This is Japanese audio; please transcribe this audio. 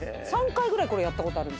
３回ぐらいこれやった。